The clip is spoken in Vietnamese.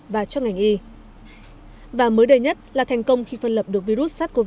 và mới đầy nhất là thành công khi phân lập được virus sars cov hai